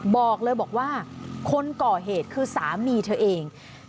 บอกเลยบอกว่าคนก่อเหตุคือสามีเธอเอง